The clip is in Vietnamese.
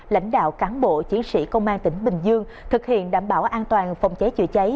lãnh đạo cán bộ chiến sĩ công an tỉnh bình dương thực hiện đảm bảo an toàn phòng cháy chữa cháy